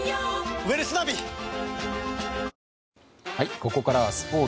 ここからはスポーツ。